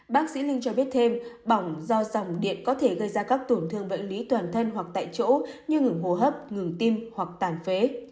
bác sĩ linh cho biết thêm bỏng do dòng điện có thể gây ra các tổn thương bệnh lý toàn thân hoặc tại chỗ như ngừng hô hấp ngừng tim hoặc tàn phế